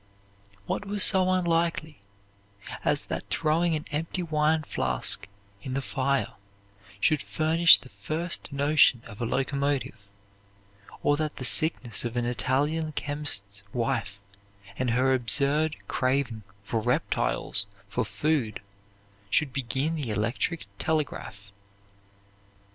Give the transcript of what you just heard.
What was so unlikely as that throwing an empty wine flask in the fire should furnish the first notion of a locomotive, or that the sickness of an Italian chemist's wife and her absurd craving for reptiles for food should begin the electric telegraph.